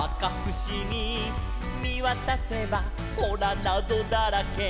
「みわたせばほらなぞだらけ」